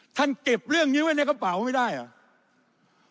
ท่านเก็บเรื่องนี้ไว้ในกระเป๋าไม่ได้อ่ะ